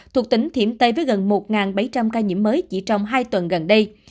thuộc tỉnh thiểm tây với gần một bảy trăm linh ca nhiễm mới chỉ trong hai tuần gần đây